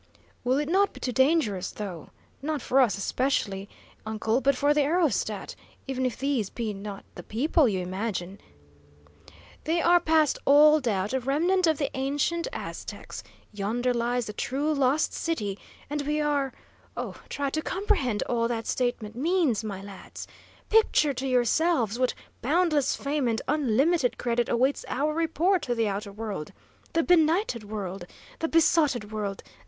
"Will it not be too dangerous, though? Not for us, especially, uncle, but for the aerostat? Even if these be not the people you imagine " "They are past all doubt a remnant of the ancient Aztecs. Yonder lies the true Lost City, and we are oh, try to comprehend all that statement means, my lads! Picture to yourselves what boundless fame and unlimited credit awaits our report to the outer world! The benighted world! The besotted world!